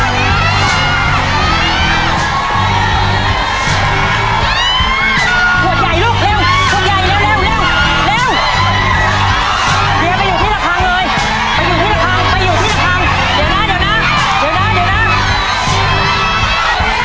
เดี๋ยวไปอยู่ที่ระคังเลยไปอยู่ที่ระคังไปอยู่ที่ระคังเดี๋ยวนะเดี๋ยวนะเดี๋ยวนะเดี๋ยวนะ